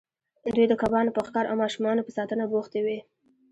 دوی د کبانو په ښکار او ماشومانو په ساتنه بوختې وې.